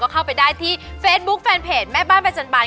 ก็เข้าไปได้ที่เฟซบุ๊คแฟนเพจแม่บ้านแบรนด์จันทร์บาน